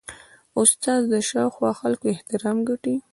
استاد د شاوخوا خلکو احترام ګټي.